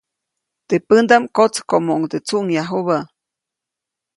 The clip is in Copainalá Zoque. Teʼ pändaʼm kotsäjkomoʼuŋde tsuʼŋyajubä.